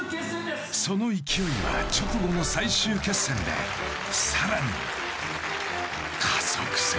その勢いは、直後の最終決戦でさらに加速する。